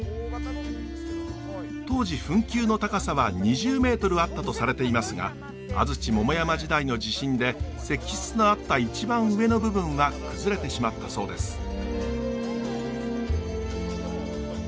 当時墳丘の高さは２０メートルあったとされていますが安土桃山時代の地震で石室のあった一番上の部分は崩れてしまったそうです。え！